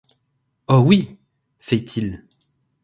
Oh oui !… feit-il.